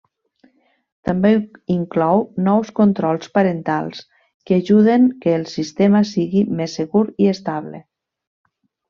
També inclou nous controls parentals, que ajuden que el sistema sigui més segur i estable.